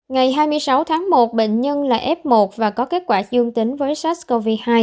ngày hai mươi sáu tháng một bệnh nhân là f một và có kết quả dương tính với sars cov hai